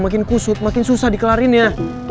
makin kusut makin susah dikelarin ya